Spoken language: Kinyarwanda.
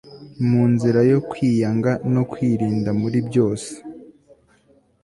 mu nzira yo kwiyanga no kwirinda muri byose